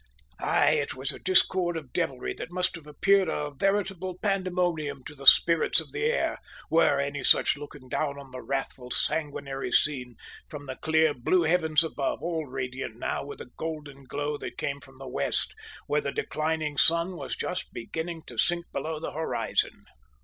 Aye, it was a discord of devilry that must have appeared a veritable pandemonium to the spirits of the air, were any such looking down on the wrathful, sanguinary scene from the clear blue heavens above, all radiant now with a golden glow that came from the west, where the declining sun was just beginning to sink below the horizon!